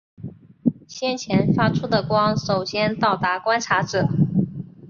先前发出的光首先到达观察者。